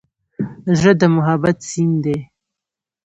زړه د محبت سیند دی.